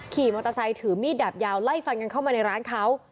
ขี่มอเตอร์ไซค์ถือมีดดาบยาวไล่ฟันกันเข้ามาในร้านเขา